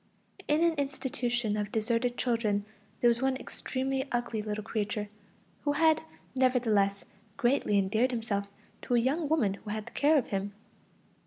In an institution for deserted children, there was one extremely ugly little creature, who had nevertheless greatly endeared himself to a young woman who had the care of him.